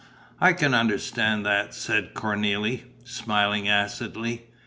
"I can understand that," said Cornélie, smiling acidly.